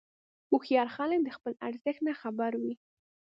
هوښیار خلک د خپل ارزښت نه خبر وي.